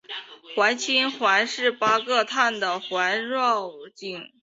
环辛烷是八个碳的环烷烃。